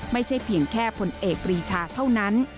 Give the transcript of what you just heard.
ไม่ใช่เพียงแค่ผลเอกปรีชาเท่านั้น